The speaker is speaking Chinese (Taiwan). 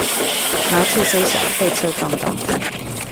麻雀雖小，被車撞到